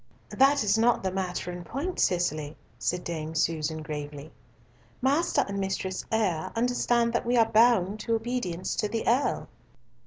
"That is not the matter in point, Cicely," said Dame Susan gravely. "Master and Mistress Eyre understand that we are bound to obedience to the Earl."